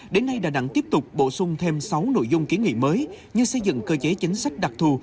đến nay đà nẵng tiếp tục bổ sung thêm sáu nội dung kiến nghị mới như xây dựng cơ chế chính sách đặc thù